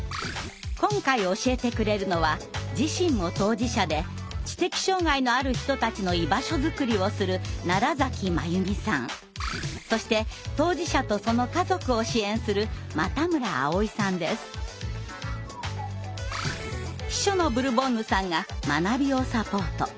今回教えてくれるのは自身も当事者で知的障害のある人たちの居場所づくりをするそして当事者とその家族を支援する秘書のブルボンヌさんが学びをサポート。